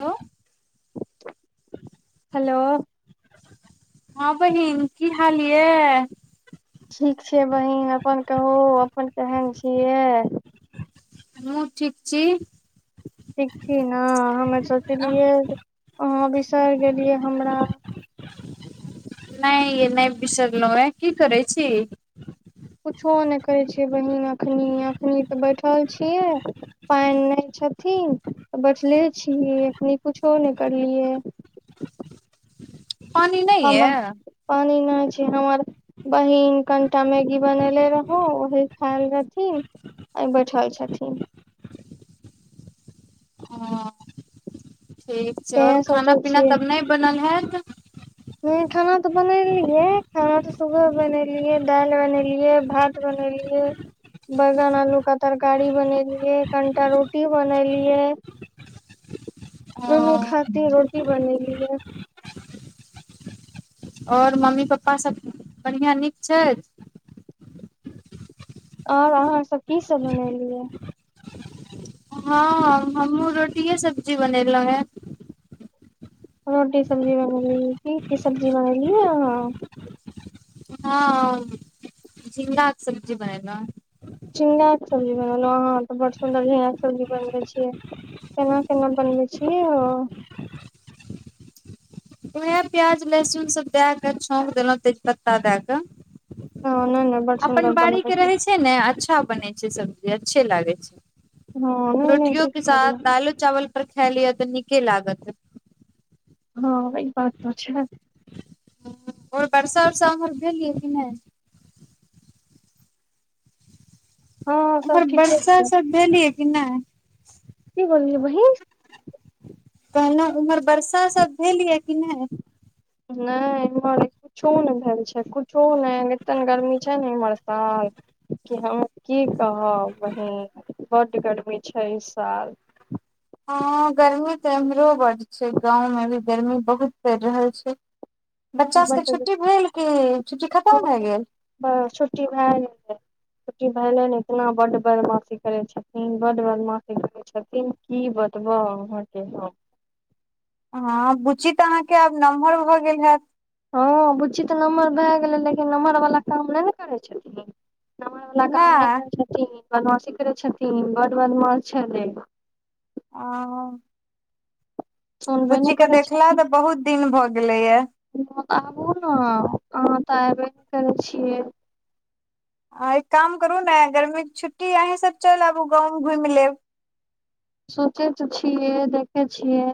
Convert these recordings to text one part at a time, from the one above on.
अं [unintelligible] हलो हँ बहिन की हाल ये ठीक छै बहिन अपन कहू अपन केहन छिये हमु ठीक छी ठीक छी न हमे सोचलियै आहाँ बिसरि गेलियै हमरा नै यै नै बिसरलौं वाँ की करै छी कुछो नै करै छियै बहिन एखनी अखनी तऽ बैठल छियै पानि नै छथिन तऽ बैठले छीयै अखनी कछो नै करलियै या पानि नय हम यै पानि नय छै हमर बहिन कनिटा मैगी बनेले रहौं ओही खायल रहथिन आओर बठिल छथिन हँ ठीक छै आओर तें खाना सोचै पीना तब नय बनल हेऽत हूं खाना तो बनेलियै खाना तऽ सुबह बनेलियै दालि बनेलियै भात बनेलियै बैगन आलू का तरकारी बनेलिए कनिटा रोटी बनेलियै ओ ओनू खाती रोटी बनलीयै आओर मम्मी पप्पा सब बढ़िआ नीक छथि आओर अहाँ सब की सब बनेलियै हँ हमहूँ रोटिए सब्जी बनेलौं हे रोटी सब्जी बनेली की की सब्जी बनेलियै आंहा हँ झिंगा के सब्जी बनेलौंहे छिंगा के सब्जी बनेलौं हं तऽ बड सुन्दर झिंगा के सब्जी बनबै छियै केना केना बनबै छियै ओ च उएह प्याज लहसुन सभ दए कऽ छौंक देलौं तेजपत्ता दए कऽ हँ नहि नहि बड अपन सुंदर बनबै बाड़ीके छी रहै छै ने अच्छा बनै छै सब्जी अच्छे लागै हँ छै नहि नहि रोटियो ठीक के करलहु साथ दालो चावल पर खाय लिय तऽ नीके लागत हँ ई बात तऽ छै आओर परसा उरसा उमहर भेल यै कि नय हँ सब उमहर ठीके वरसा छै सब भेलयै कि नय की बोलियै बहीन कहलौं उम्हर वरसा सब भेल य कि नय नय ईमहर कुछो नय भेल छै कुछो नय एते ने गरमी छै ने इम्हर सन कि हम की कहब बहीन बड्ड गर्मी छै इ साल हँ गर्मी तऽ एम्हरो बड्ड छै गाँंव मे भी गर्मी बहुत पड़ि रहल छै बच्चा सबके बड्ड छुट्टी भेल कि छुट्टी खतम भए गेल हं छुट्टी भेऽ गेल छुट्टी भेले इतना बड बदमाशी करै छथिन बड बदमाशी करै छथिन की बतबऽ अहाँके हम हँ बुची त अहाँके आब नमहर भऽ गेल हेऽत हँ बुच्ची तऽ नम्हर भए गेलै लेकिन नमहर बला काम नय ने करै छथिन नमहर वाला काम नय नहि करै छथिन बदमाशी करै छथिन बड बदमाश छलै ओ सुनबे नहि बुच्ची के करै देखला तऽ बहुत दिन भऽ गेलैया तऽ आबु न अहाँ तऽ एबे नय करै छियै आ एक काम करू ने गरमी के छुट्टी अहीं सब चलि आबु गााँव घुमि लेब सोचै तऽ छियै देखै छियै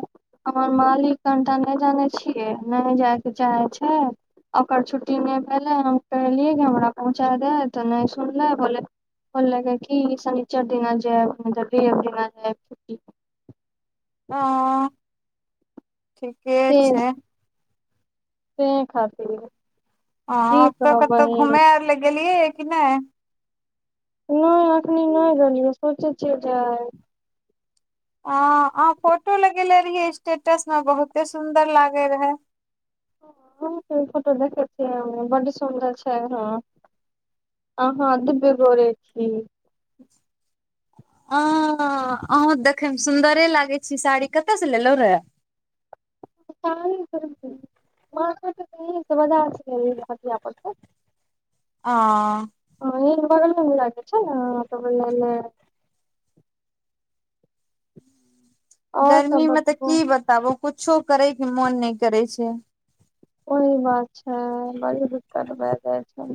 हमर मालिक कनिटा नय जनै छियै नय जायके चाहै छै ओकर छुट्टी नय भेलै हम कहलियै कि हमरा पहुँचा दे तऽ नय सुनले बोले बोलकै कि शनिचार दिना जेब नइ त रइब दिना जा छुट्टीक हँ ठीक तें से तैं खाली लेबै आ अतऽ कतो घुमे आर लए गेलियैये की नय नय अखनी नय गेलियौ सोचै छियौ जाय आ अहाँ फोटो लगेेले रहियै स्टेटस मे बहुते सुंदर लागै रहै। हँ तैयो फोटो देखै छियै बड्ड सुन्दर छै हँ अहाँ दुबे गोरे छी अच्छा अ अहौं देखैमे सुंदरे लागै छी साड़ी कतऽ से लेलौं रहे। सारी पेहेन के [inaudible] [unintelligible] बजा सकैये ई हटिया पर से आ हँ ई बगलमे भी लागै छै न त बोलैले और सब गर्मी मे तऽ बतबू की बताबू कुछो करै के मोन नय करै छै ओहि बात छै बड़ी दिक्कत भए जाय छै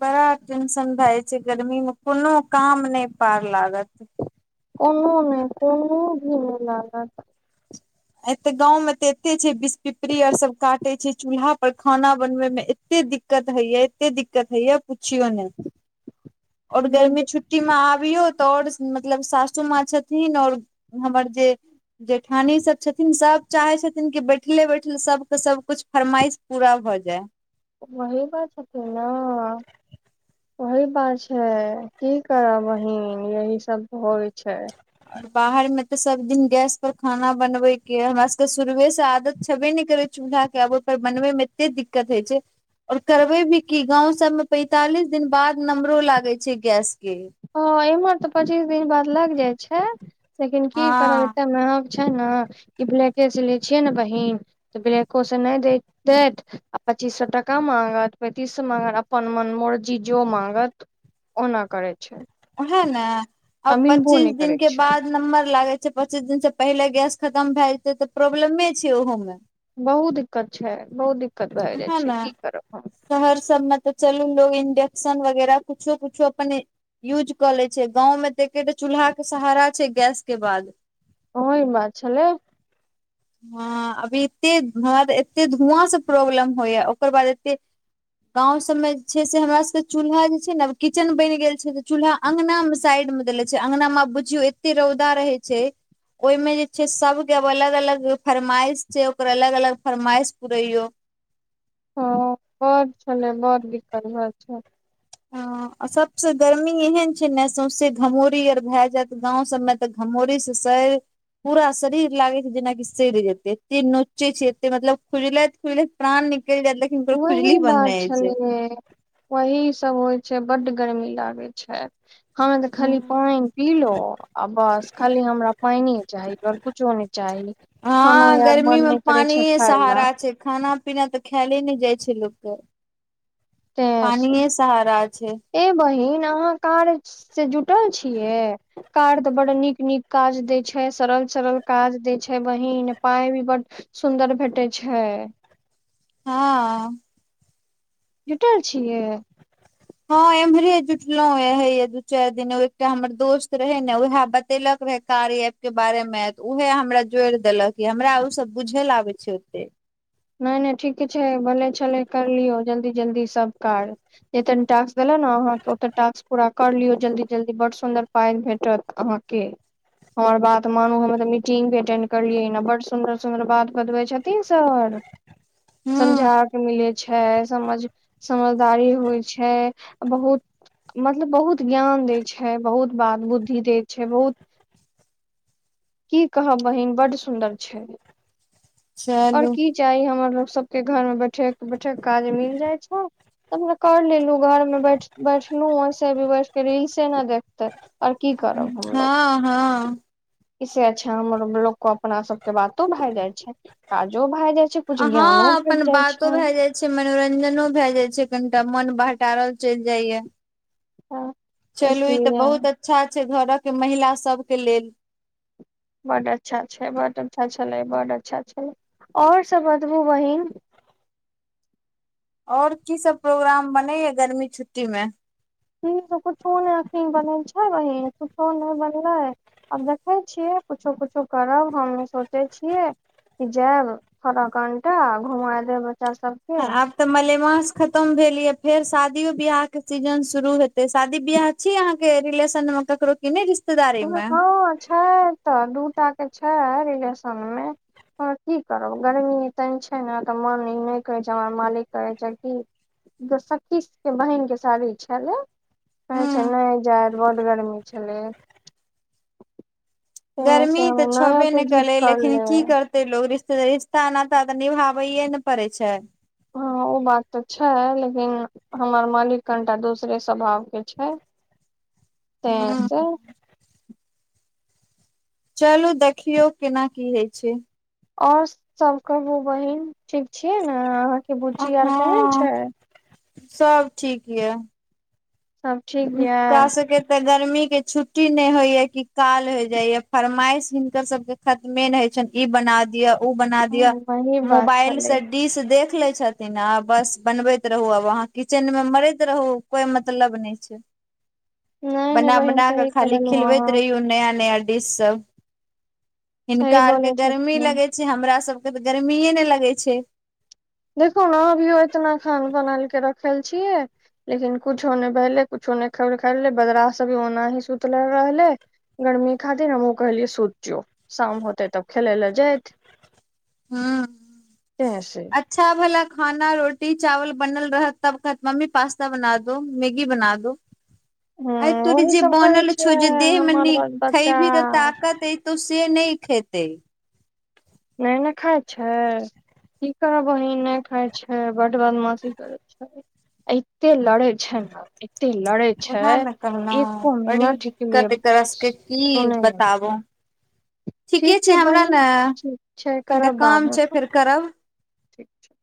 बड़ा टेंशन भए जाय छै गर्मी मे कोनो काम नय पार लागत। कोनो नय कोनो भी नय लागत एतऽ गाँव मे तऽ एते छै बिस पिपरी आओर सब काटै छै चूल्हा पर खाना बनबै मे एते दिक्कत हइय एते दिक्कत हइय पुछियौ ने आओर गर्मी बड छुट्ट टी मे आबियौ तऽ आओर मतलब सासू माँ छथिन आओर हमर जे जेठानी सब छथिन सब चाहै छथिन कि बैठले बैठले सबके सबकुछ फरमाइश पूरा भऽ जे वही बात छथिन न वही बात छै की करब बहिन यही सब तऽ होवे छै आओर बाहर मे तऽ सब दिन गैस पर खाना बनबै के हमरा सबके शुरुए से आदत छबे नय करै चूल्हा के आब ओहि पर बनबै मे एते दिक्कत होइ छै आओर करबै भी की गाँंव सब मे पैंतालिस दिन बाद नम्बरो लागै छै गैस के हँ इम्हर तऽ पचीस दिन बाद लग जाय छै लेकिन की करब एक हँ टाइम मे छै न कि ब्लैके से लै छियै ने बहिन तऽ ब्लैको से नय दै देत आ पच्चीस सौ टका माँगत पैंतीस सौ माँगत अपन मन मर्जी जो माँगत ओना करैत छै ओहे ने आ अब मिलबो पच्चीस नहि दिन करै के छै बाद नम्बर लागै पच्चीस दिन से पहिले गैस खतम भए जेतै तऽ प्रॉब्लमे छै ओहो मे बहुत दिक्कत छै बहुत दिक्कत भए जाय ओहे छै ने की करब हम शहर सबमे तऽ चलू लोग इंडेक्सन वगैरह कुछो कुछो अपने यूज कऽ लै छै गाँंवमे तऽ एकेटा चूल्हा के सहारा छै गैस के बाद ओहीमे छलै हँ अभी एते हमरा तऽ एते धुआँ सँ प्रॉब्लम होइय ओकर बाद एते गाँंव सब मे जे छै से हमरा सब के चूल्हा जे छै न किचन बनि गेल छै से चूल्हा अंगनामे साइड मे देले छै अंगनामे आब बुझियौ एते रौदा रहै छै ओहिमे जे छै सबके अब अलग अलग जे फरमाइश छै ओकर अलग अलग फरमाइश पुरैयौ हँ बड़ छलै बड़ दिक्कत भय छै हँ। आ सबसे गर्मी एहन छै ने सौंसे घमौरी आर भए जायत गाँव सबमे तऽ घमौरी से सइर पूरा शरीर लागे छै जेनाकि सइड़ जेते एते नोचे छै एते मतलब खुजलैत खुजलैत प्राण निकल जाइत ले वही बात छलिय वही सब होइ छै बड्ड गर्मी लागे छै हा तऽ खाली हूँ। पाइन पीलो आ बस खाली हमरा पाइने चाही कुछो नय चाही खानो हँ यार गर्मी मन मे नय करै छै पानिये खाय ला सहारा छै खाना पीना तऽ खायले नय जाइ छै लोकके तें से पानीये सहारा छै ए बहिन अहाँ कार से जुटल छियै कार त बड नीक नीक काज दै छै सरल सरल काज दै छै बहिन पाय भी बड सुन्दर भेटै छैय हँ जुटल छियै हँ एम्हरे जुटलोे दू चार दिन एकटा हमर दोस्त रहे ने उएह ब तेलक रहे कार्य एप के बारे मे त उहे हमरा जोड़ देलक य हमरा ओ सब बुझेल आबे छै ओते नय नय ठीके छै भले छले करलियौ जल्दी जल्दी सब कार जतेन टास्क देले ने अहाँके ओत टास्क पूरा कर लियऔ जल्दी जल्दी बड् सुन्दर पाइ भेटत अहाँ के हमर बात त मानू हमर तऽ मीटिंग भी अटेंड करलियै बड सुन्दर सुंन्दर बात बतबै छथिन सर समझा हूँ के मिलै छै समझ समझदारी होइ छै बहुत मतलब बहुत ज्ञान दैत छै बहुत बात बुद्धि दैत छै बहुत की कहब बहिन बड सुन्दर छै और चलू की चाही हमर लोग सबके घर मे बैठे बैठे के काज मिल जाइ छै तबुओ कर लेलु घर में बैठ बैठलु ओसे भी बैठ के रील्से ने देख तऽ ओर की करब हमलोग हँ हँ इसे अच्छा हमर लोग को अपना सब के बातो भय जाय छै काजो भय जा कुछो कुछ ज्ञानो हँ भेट अपन जाइ बातो छैन भए जाइ मनोरंजनो भय जाय छै कनीटा मोन बहटारल चैल जाय या हँ चलू ई तऽ इसलिए बहुत अच्छा छै घरक महिला सबके लेल बड अच्छा छै बड अच्छा छलै बड अच्छा छलै ओर सब बतबू बहिन और की सब प्रोग्राम बनै या गर्मी छुट्टी में कुछो नय अखनी बनल छै बहिन कुछो नय बनले आब देखैत छियै किछो किछो करब हमहूँ सोचै छियै कि जायब फरा कंटा घुमा देब बच्चा सब आब तऽ मलेमास खतम भेल यै फेर शादियो बियाह के सीजन शुरू हेते शादी बियाह छी अहाँ के रिलेशन मे करो किने रिश्तेदार हँ छैय ऐत दू टा के छै रिलेशन मे आ की करब गर्मी त छै ने मन ई नय कहै छै हम मालिक कहै छै की सतीश के बहिनक के शादी छलै कहै छै नय जाएत बड गरमी छलै तें गर्मी से हमे तऽ नहि छबे ओते नय जिद कलै लेकिन करले की कर लोकोग रिश्ते रिश्ता नाता तऽ निभाबैए ने पड़ै छै हँ ओ बात तऽ छै लेकिन हमर मालिक कनिटा दोसरे स्वभाव के छै ह तऽ से चलू देखियौ केना की होइ छै आओर सब कहू बहिन ठीक छीयै ने अहाँ के बुच्ची आर केहन हँ छै सब ठीक यऽ सब ठीक हुनका यऽ सबके तऽ गर्मी के छुट्टी नय होइ या की काल हो जाइया फरमाइश हिनकर सब के खतमे ने होइ छनि ई बना दिय ओ बना दिअ वही बात मोबाइल छलै से डिश देख लै छथिन आ बस बनबति रहु आब अहां किचन मे मरति रहु कोई मतलब नय छै नहि नहि बना बहिन बना क सही खाली कहलहु खिलबति अहाँ रहियौ नया नया डिश सब सही हिनका आरके बोलै गर्मी छथिन लगै छै हमरा सबके तऽ गर्मीए नय लगै छै देखियौ ने अभियो एतना खाना बनल के रखल छियै लेकिन कुछो ने भेलै कुछो ने खल खाईल बगरा सब भी ओनाही सुतलै रहले गर्मी खातिर हमहु कहलियै सुत जो शाम होते तब खेलै लए जाइत हूं तें से अच्छा छा भला खाना रोटी चावल बनल रहत तब कहत मम्मी पास्ता बना दो मैगी बना दो हूं अइ तोर ओही जे सब करै बनल छै छौ जे देह हमर मने ब- बच्चा खइबही तऽ ताकत अ तऽ से नय खेतै नय ने खाय छै की करब बहीन नय खाय छै बड बदमाशी करै छै एते लड़ै छै ने एते लड़े छै वहे न कहलौं एको बड़ी मिनट के लिए दिक्कत एकरा सके की सुनै नहि बताबू छै ठीके ठीक छै हमरा बहिन ने ठीक छै कनिटा करब काम बादमे छै फोन फेर करब ठीक छै